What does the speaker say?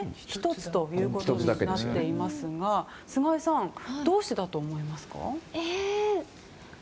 １つということになっていますが菅井さん、どうしてだと思いますか？